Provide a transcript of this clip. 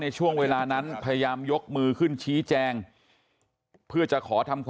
ผมขออนุญาตหารือท่านประธานนิดนึงครับ